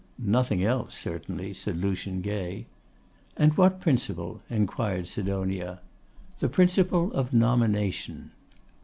'Nothing else, certainly,' said Lucian Gay. 'And what principle?' inquired Sidonia. 'The principle of nomination.